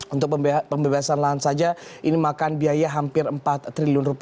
untuk pembebasan lahan saja ini memakan biaya hampir rp empat triliun